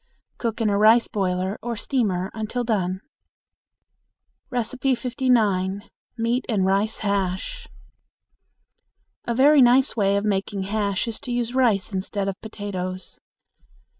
Cook in a rice boiler or steamer until done. 59. Meat and Rice Hash. A very nice way of making hash is to use rice instead of potatoes.